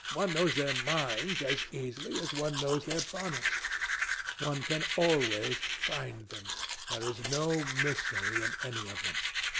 One knows their minds as easily as one knows their bonnets. One can always find them. There is no mystery in any of them.